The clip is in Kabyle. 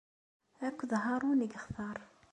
Akked Haṛun i yextar.